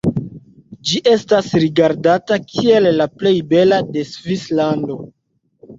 Ĝi estas rigardata kiel la plej bela de Svislando.